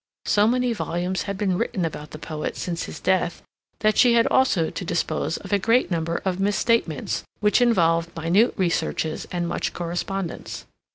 So many volumes had been written about the poet since his death that she had also to dispose of a great number of misstatements, which involved minute researches and much correspondence.